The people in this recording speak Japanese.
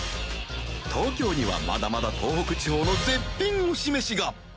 東京にはまだまだ東北地方の絶品推しメシが！